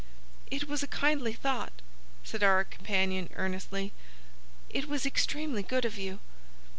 "It was a kindly thought," said our companion, earnestly. "It was extremely good of you."